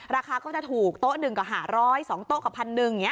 ราคาก็จะถูกโต๊ะหนึ่งกว่าหาร้อยสองโต๊ะกว่าพันหนึ่ง